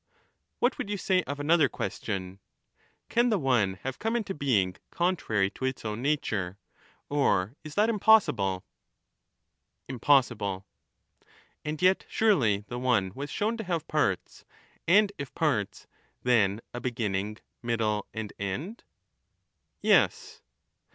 What would you say of another question ? Can the one have come into being contrary to its own nature, or is that impossible ? Impossible. And yet, surely, the one was shown to have parts ; and The one if parts, then a beginning, middle and end? ^^rnes Yes.